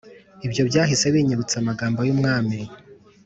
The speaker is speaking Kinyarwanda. Ibyo byahise binyibutsa amagambo y Umwami